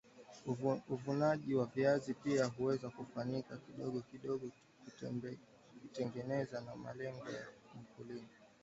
uvunaji wa viazi pia huweza kufanyika kidogo kidogo kutegemeana na malengo ya mkulima